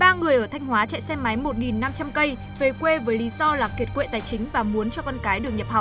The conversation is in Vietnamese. ba người ở thanh hóa chạy xe máy một năm trăm linh cây về quê với lý do là kiệt quệ tài chính và muốn cho con cái được nhập học